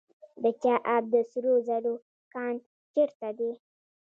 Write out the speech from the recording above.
د چاه اب د سرو زرو کان چیرته دی؟